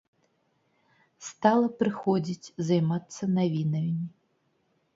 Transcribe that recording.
Стала прыходзіць, займацца навінамі.